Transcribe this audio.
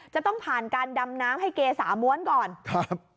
จะต้องผ่านการดำน้ำให้เกษาม้วนก่อนครับ